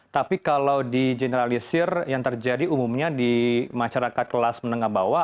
tapi kalau di generalisir yang terjadi umumnya di masyarakat kelas menengah bawah